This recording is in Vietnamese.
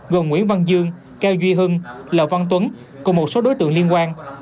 gồm nguyễn văn dương cao duy hưng lò văn tuấn cùng một số đối tượng liên quan